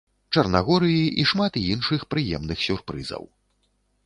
Чарнагорыі і шмат іншых прыемных сюрпрызаў.